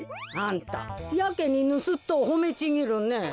あんたやけにぬすっとをほめちぎるね。